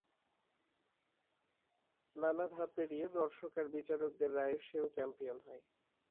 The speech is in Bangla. নানা ধাপ পেরিয়ে দর্শক আর বিচারকদের রায়ে সে ও চ্যাম্পিয়ন হয়।